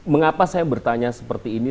mengapa saya bertanya seperti ini